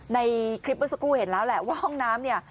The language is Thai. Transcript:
ในคลิปเมื่อสักครู่เห็นแล้วแหละว่าห้องน้ำเนี่ย